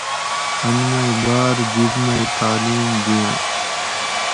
ان مئ ہاۤر جِب مئ تعلیم دِیاۤں۔